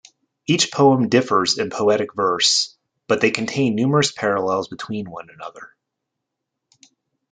Each poem differs in poetic verse, but they contain numerous parallels between one another.